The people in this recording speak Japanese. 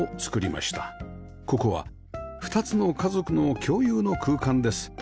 ここは２つの家族の共有の空間です